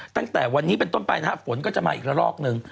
ตั้งแต่วันนี้เป็นต้นไปนะครับฝนก็จะมาอีกละลอกหนึ่ง